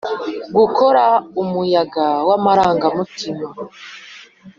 gukora umuyaga wamarangamutima.